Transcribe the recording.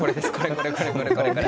これこれこれこれ。